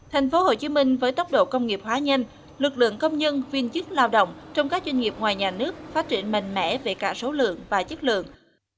thành phố hồ chí minh với tốc độ công nghiệp hóa nhanh lực lượng công nhân viên chức lao động trong các doanh nghiệp ngoài nhà nước phát triển mạnh mẽ về cả số lượng và chất lượng